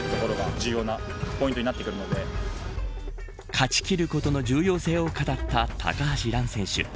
勝ち切ることの重要性を語った高橋藍選手。